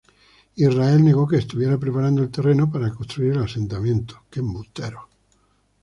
Israel negó que estuviera preparando el terreno para construir el asentamiento.